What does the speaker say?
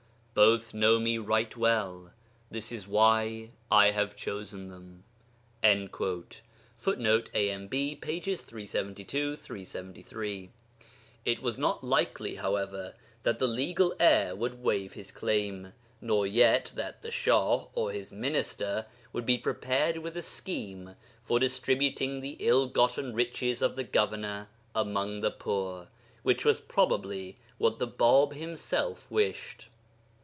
Both know me right well; this is why I have chosen them.' [Footnote: AMB, pp. 372, 373.] It was not likely, however, that the legal heir would waive his claim, nor yet that the Shah or his minister would be prepared with a scheme for distributing the ill gotten riches of the governor among the poor, which was probably what the Bāb himself wished.